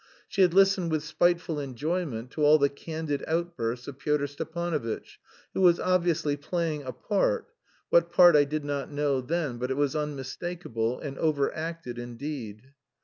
She had listened with spiteful enjoyment to all the "candid outbursts" of Pyotr Stepanovitch, who was obviously playing a part (what part I did not know then, but it was unmistakable, and over acted indeed).